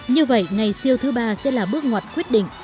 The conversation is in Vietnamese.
như vậy ngày siêu thứ ba sẽ là bước ngoặt quyết định